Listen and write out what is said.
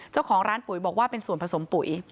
เจ้าของร้านปุ๋ยบอกว่าเป็นส่วนผสมปุ๋ย